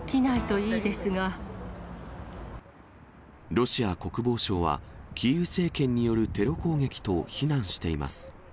ロシア国防省は、キーウ政権によるテロ攻撃と非難しています。